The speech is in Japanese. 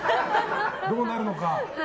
どうなるのか。